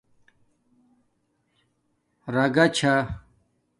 راگاچھا